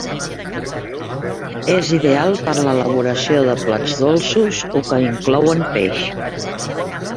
És ideal per l'elaboració de plats dolços o que inclouen peix.